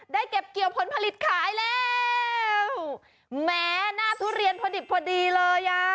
เก็บเกี่ยวผลผลิตขายแล้วแหมหน้าทุเรียนพอดิบพอดีเลยอ่ะ